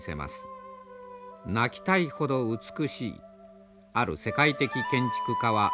「泣きたいほど美しい」ある世界的建築家はそう叫びました。